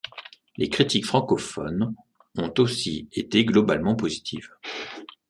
Les critiques francophones ont aussi été globalement positives.